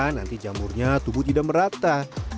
nanti jamurnya tubuh tidak merata